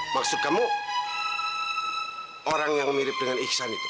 maksud kamu orang yang mirip dengan iksan itu